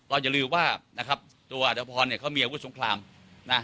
อย่าลืมว่านะครับตัวอัตภพรเนี่ยเขามีอาวุธสงครามนะ